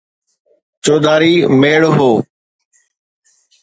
چوڌاري ميڙ هو.